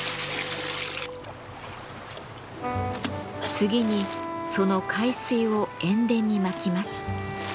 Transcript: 次にその海水を塩田にまきます。